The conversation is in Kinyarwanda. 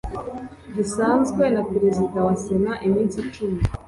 gisanzwe na perezida wa sena iminsi cumi